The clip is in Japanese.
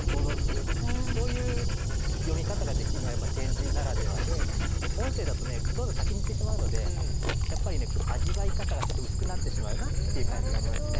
そういう読み方ができるのは点字ならではで音声だとねどんどん先に行ってしまうのでやっぱりね味わい方がちょっと薄くなってしまうなっていう感じがありますね。